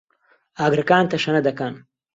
ئاگرەکان تەشەنە دەکەن.